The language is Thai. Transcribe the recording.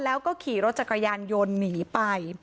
แล้วก็ขี่รถจักรยานยนต์หนีไป